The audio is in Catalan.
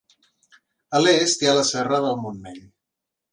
A l'est hi ha la serra del Montmell.